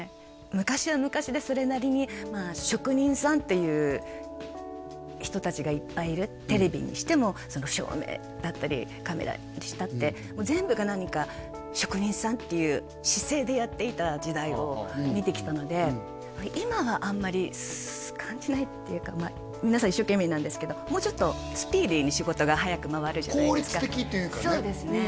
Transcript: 昔は昔でそれなりにテレビにしても照明だったりカメラにしたってもう全部が何か職人さんっていう姿勢でやっていた時代を見てきたので今はあんまり感じないっていうか皆さん一生懸命なんですけどもうちょっとスピーディーに仕事がはやく回るじゃないですか効率的というかね